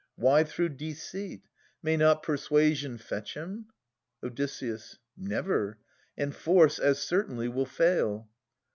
Why through deceit ? May not persuasion fetch him ? Od. Never. And force as certainly will fail.